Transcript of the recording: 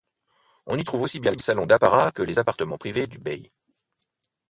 On y trouve aussi bien les salons d'apparat que les appartements privés du bey.